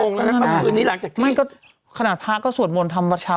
ทุกองค์แล้วแล้วบ้างปีพื้นนี้หลังจากที่ไม่ก็ขณะพระก็สวดมนตร์ทำวัดชาว